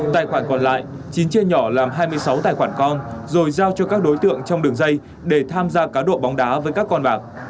tài khoản còn lại chín chia nhỏ làm hai mươi sáu tài khoản con rồi giao cho các đối tượng trong đường dây để tham gia cá độ bóng đá với các con bạc